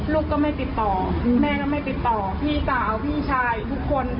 ลูกก็ไม่ติดต่อแม่ก็ไม่ติดต่อพี่สาวพี่ชายทุกคน